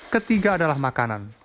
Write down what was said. ketiga adalah makanan